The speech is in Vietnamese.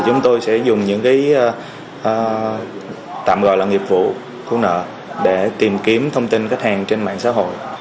chúng tôi sẽ dùng những tạm gọi là nghiệp vụ cứu nợ để tìm kiếm thông tin khách hàng trên mạng xã hội